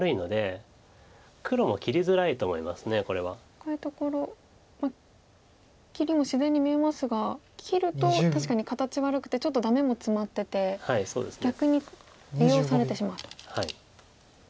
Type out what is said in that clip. こういうところ切りも自然に見えますが切ると確かに形悪くてちょっとダメもツマってて逆に利用されてしまうと。